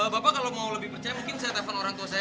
bapak kalau mau lebih percaya mungkin saya telepon orang tua saya